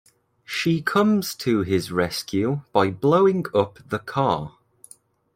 She comes to his rescue by blowing up the car.